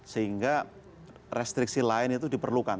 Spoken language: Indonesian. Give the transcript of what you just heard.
sehingga restriksi lain itu diperlukan